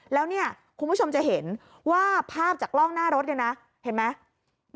แล้วเนี่ยคุณผู้ชมจะเห็นว่าภาพจากกล้องหน้ารถเนี่ยนะเห็นไหม